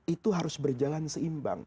itu harus berjalan seimbang